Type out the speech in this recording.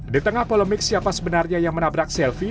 di tengah polemik siapa sebenarnya yang menabrak selfie